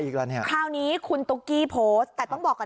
คราวนี้คุณตุ๊กกี้โพสต์